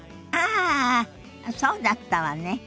ああそうだったわね。